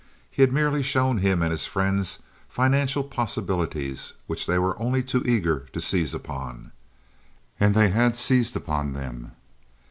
He had merely shown him and his friends financial possibilities which they were only too eager to seize upon. And they had seized upon them.